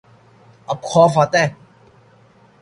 اب خوف آتا ہے